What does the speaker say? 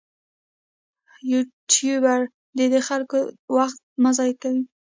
یوټوبر دې د خلکو وخت مه ضایع کوي.